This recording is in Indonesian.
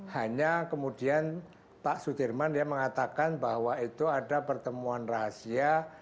hanya kemudian pak sudirman mengatakan bahwa itu ada pertemuan rahasia